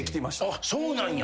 あっそうなんや。